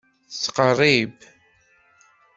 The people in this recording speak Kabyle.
Tettqerrib.